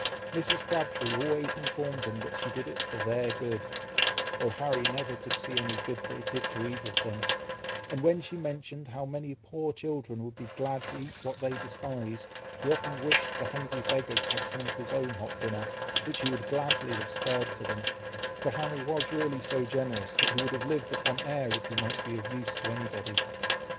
Mrs. Crabtree always informed them that she did it "for their good," though Harry never could see any good that it did to either of them; and when she mentioned how many poor children would be glad to eat what they despised, he often wished the hungry beggars had some of his own hot dinner, which he would gladly have spared to them; for Harry was really so generous, that he would have lived upon air, if he might be of use to anybody.